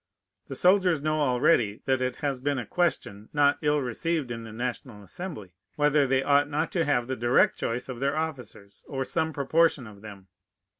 The soldiers know already that it has been a question, not ill received in the National Assembly, whether they ought not to have the direct choice of their officers, or some proportion of them.